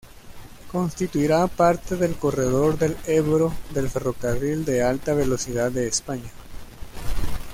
Constituirá parte del corredor del Ebro del ferrocarril de alta velocidad de España.